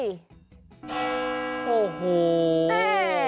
โอ้โหแต่